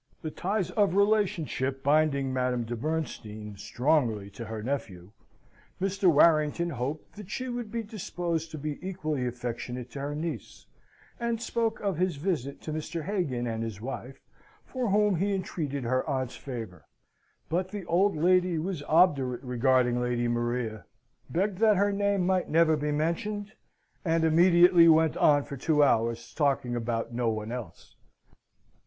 The ties of relationship binding Madame de Bernstein strongly to her nephew, Mr. Warrington hoped that she would be disposed to be equally affectionate to her niece; and spoke of his visit to Mr. Hagan and his wife, for whom he entreated her aunt's favour. But the old lady was obdurate regarding Lady Maria; begged that her name might never be mentioned, and immediately went on for two hours talking about no one else.